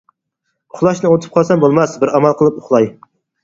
ئۇخلاشنى ئۇنتۇپ قالسام بولماس، بىر ئامال قىلىپ ئۇخلاي.